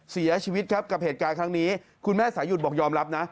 เสียชีวิตครับกับเหตุการณ์ครั้งนี้คุณแม่สายุดบอกยอมรับนะ